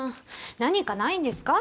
何かないんですか？